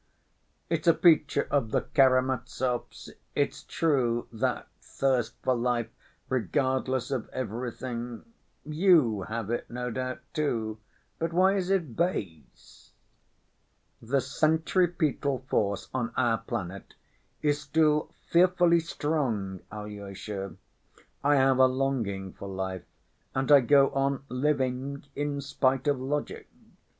It's a feature of the Karamazovs, it's true, that thirst for life regardless of everything; you have it no doubt too, but why is it base? The centripetal force on our planet is still fearfully strong, Alyosha. I have a longing for life, and I go on living in spite of logic.